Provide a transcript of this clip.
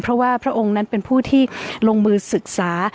เพราะว่าพระองค์นั้นเป็นผู้ที่ลงมือศึกษา